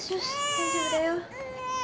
大丈夫だよ。